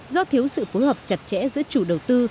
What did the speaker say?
do thiếu sự phối hợp chặt chẽ giữa chủ đầu tư